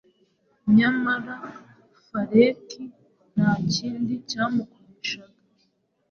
Nyamara Feliki nta kindi cyamukoreshaga